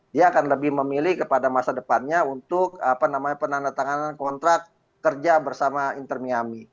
dia akan lebih memilih kepada masa depannya untuk penandatanganan kontrak kerja bersama inter miami